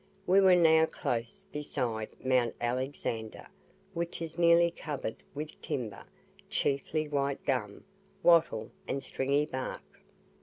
We were now close beside Mount Alexander, which is nearly covered with timber, chiefly white gum, wattle and stringy bark.